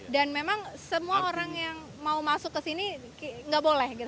dan memang semua orang yang mau masuk ke sini nggak boleh